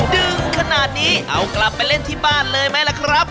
ดึงขนาดนี้เอากลับไปเล่นที่บ้านเลยไหมล่ะครับ